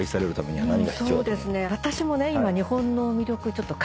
私もね今。